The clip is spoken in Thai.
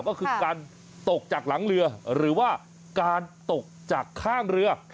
ก็คือการตกจากหลังเรือหรือว่าการตกจากข้างเรือ